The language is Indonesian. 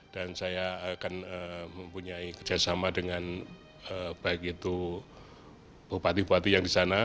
dan saya akan mempunyai kerjasama dengan baik itu bupati bupati yang di sana